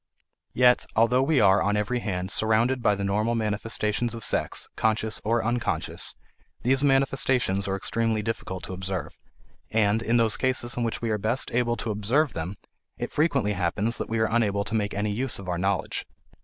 Yet, although we are, on every hand, surrounded by the normal manifestations of sex, conscious or unconscious, these manifestations are extremely difficult to observe, and, in those cases in which we are best able to observe them, it frequently happens that we are unable to make any use of our knowledge.